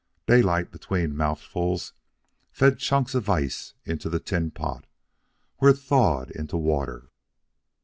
Daylight, between mouthfuls, fed chunks of ice into the tin pot, where it thawed into water.